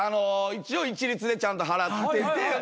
一応一律でちゃんと払ってて。